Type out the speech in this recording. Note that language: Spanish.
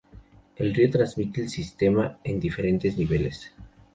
Un río trasmite el sistema en diferentes niveles.